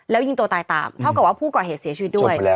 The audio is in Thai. แล้วยิงตัวตายตามเท่ากับว่าผู้ก่อเหตุเสียชีวิตด้วย